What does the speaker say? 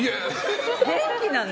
元気なの？